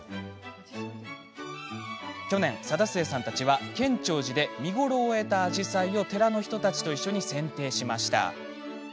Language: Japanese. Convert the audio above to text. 去年、貞末さんたちは建長寺で見頃を終えた紫陽花を寺の人たちと一緒にせんていしました。